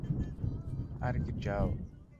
আর কী চাও?